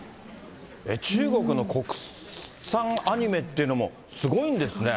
中国の国産アニメっていうのもすごいんですね。